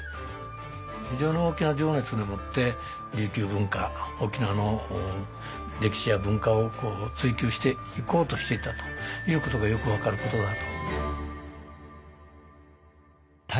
非常に大きな情熱でもって琉球文化沖縄の歴史や文化を追究していこうとしていたということがよく分かることだと。